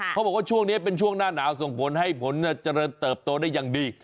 เขาบอกว่าช่วงนี้เป็นช่วงหน้าหนาวส่งผลให้ผลเจริญเติบโตได้อย่างดี